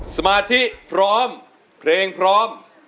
สมาธิพร้อมเพลงพร้อม